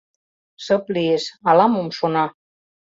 Шып лиеш, ала-мом шона.